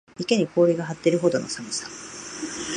池に氷が張っているほどの寒さ